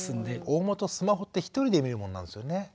大本スマホって一人で見るもんなんですよね。